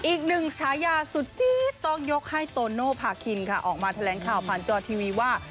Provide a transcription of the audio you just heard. ฉายาสุดจี๊ดต้องยกให้โตโนภาคินค่ะออกมาแถลงข่าวผ่านจอทีวีว่า